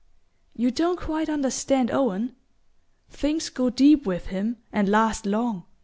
"You don t quite understand Owen. Things go deep with him, and last long.